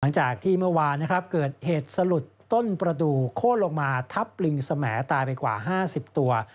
หลังจากที่เมื่อวานนะครับเกิดเหตุสลดต้นประตูโค้นลงมาทับลิงสมตายไปกว่า๕๐ตัว